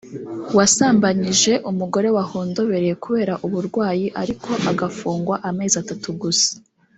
wasambanyije umugore wahondobereye kubera uburwayi ariko agafungwa amezi atatu gusa